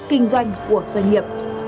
kinh doanh của doanh nghiệp